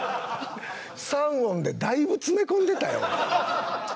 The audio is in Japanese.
３音で、だいぶ詰め込んでたよ。